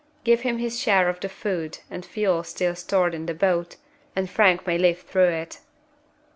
Give him his share of the food and fuel still stored in the boat, and Frank may live through it.